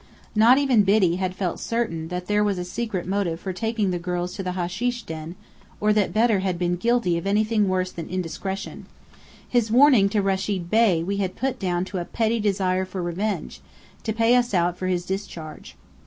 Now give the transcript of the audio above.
Not even Biddy had felt certain that there was a secret motive for taking the girls to the hasheesh den, or that Bedr had been guilty of anything worse than indiscretion. His warning to Rechid Bey we had put down to a petty desire for revenge, to "pay us out" for his discharge.